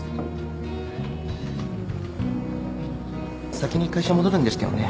先に会社戻るんでしたよね。